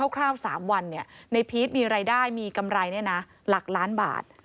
คร่าว๓วันนายพีชมีรายได้มีกำไรเนี่ยนะหลักล้านบาท